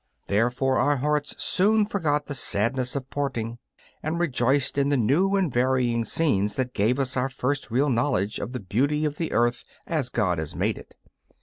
Therefore our hearts soon forgot the sadness of parting, and rejoiced in the new and varying scenes that gave us our first real knowledge of the beauty of the earth as God has made it.